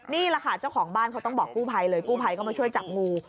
นี่แหละค่ะเจ้าของบ้านเขาต้องบอกกู้ภัยเลยกู้ภัยก็มาช่วยจับงู